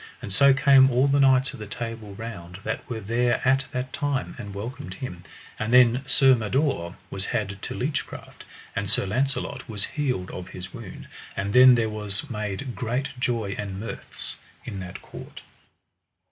And so came all the knights of the Table Round that were there at that time, and welcomed him. And then Sir Mador was had to leech craft, and Sir Launcelot was healed of his wound. And then there was made great joy and mirths in that court.